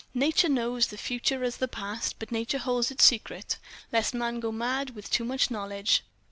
Nature knows the Future as the Past, but Nature holds it secret, lest man go mad with too much knowledge.